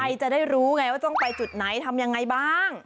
จะได้รู้ไงว่าต้องไปจุดไหนทำยังไงบ้าง